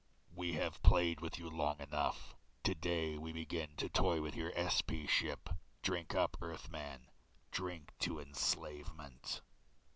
"We have played with you long enough. Today we begin to toy with your SP ship. Drink up, Earthman, drink to enslavement."